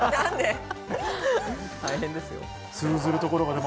大変ですよ。